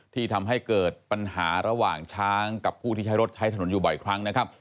ที่ทำให้เกิดปัญหาระหว่างช้างกับผู้ที่ใช้รถใช้ถนนอยู่บ่อยครั้งนะครับ